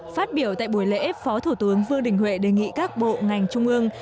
phát biểu tại buổi lễ phó thủ tướng vương đình huệ đề nghị các bộ ngành trung ương